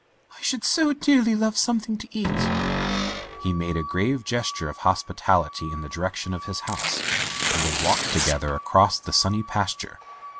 " I should so dearly love something to eat.'* He made a grave gesture of hospitality in the direction of his house, and they walked together across the sunny pasture.